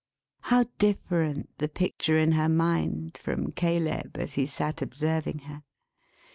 How different the picture in her mind, from Caleb, as he sat observing her!